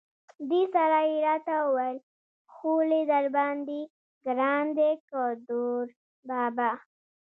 دې سره یې را ته وویل: خولي درباندې ګران دی که دوربابا.